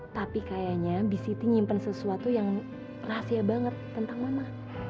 tapi kayaknya b city nyimpen sesuatu yang rahasia banget tentang mama